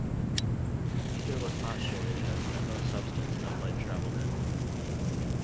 Ether was postulated as the unknown substance that light traveled in.